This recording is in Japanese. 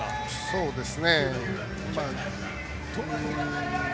そうですね。